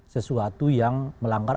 sesuatu yang melanggar